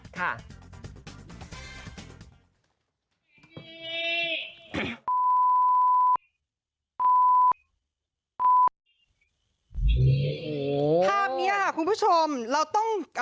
ภาพนี้ค่ะคุณผู้ชมเราต้อง